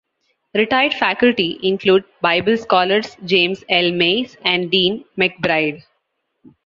Retired faculty include Bible scholars James L. Mays and Dean McBride.